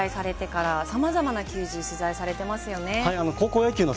現役を引退されてからさまざまな球児に取材されています。